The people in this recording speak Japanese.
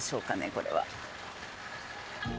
これは？